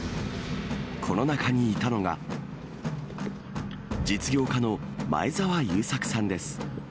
この中にいたのが、実業家の前澤友作さんです。